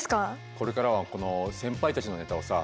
これからはこの先輩たちのネタをさ